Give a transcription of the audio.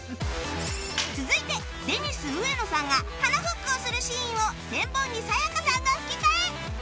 続いてデニス植野さんが鼻フックをするシーンを千本木彩花さんが吹き替え